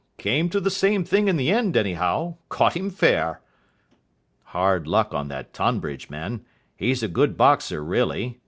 Came to the same thing in the end, anyhow. Caught him fair." "Hard luck on that Tonbridge man. He's a good boxer, really.